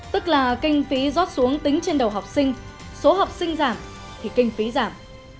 tức là kinh phí rót xuống tính trên đầu học sinh số học sinh giảm thì kinh phí giảm